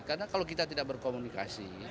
kita tidak berkomunikasi